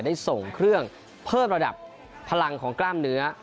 ได้ส่งเครื่องเพิ่มระดับพลังของกล้ามเนื้อ